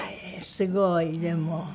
すごいでも。